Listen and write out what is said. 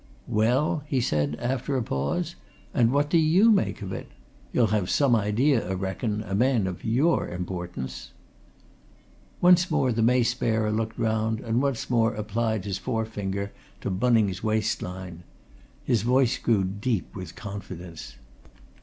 "Well?" he said, after a pause. "And what do you make of it? You'll have some idea, I reckon, a man of your importance." Once more the Mace Bearer looked round, and once more applied his forefinger to Bunning's waistline. His voice grew deep with confidence.